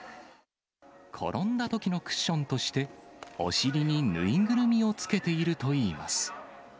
転んだときのクッションとして、お尻に縫いぐるみをつけているといいます。